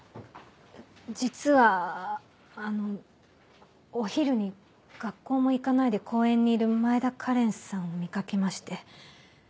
実はあのお昼に学校も行かないで公園にいる前田花恋さんを見掛けまして。